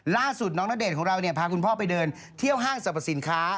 ล่าสุดน้องณเดชน์ของเราเนี่ยพาคุณพ่อไปเดินเที่ยวห้างสรรพสินค้า